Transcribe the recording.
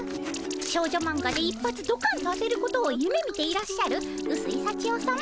少女マンガで一発どかんと当てることをゆめみていらっしゃるうすいさちよさま